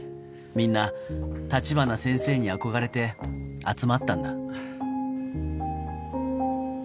みんな立花先生に憧れて集まったんだ